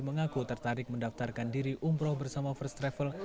mengaku tertarik mendaftarkan diri umroh bersama first travel